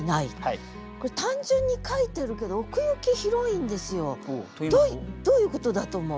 これ単純に書いてるけど奥行き広いんですよ。どういうことだと思う？